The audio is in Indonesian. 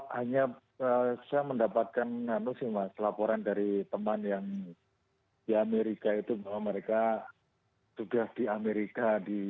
hanya saya mendapatkan laporan dari teman yang di amerika itu bahwa mereka sudah di amerika